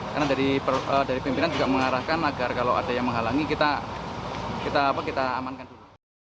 karena dari pimpinan juga mengarahkan agar kalau ada yang menghalangi kita amankan dulu